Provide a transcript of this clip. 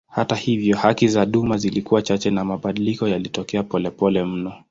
Hata hivyo haki za duma zilikuwa chache na mabadiliko yalitokea polepole mno.